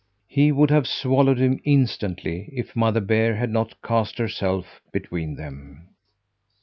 He would have swallowed him instantly if Mother Bear had not cast herself between them.